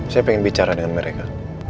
saya ingin bicara dengan mereka